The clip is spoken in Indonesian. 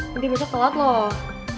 nanti besok telat loh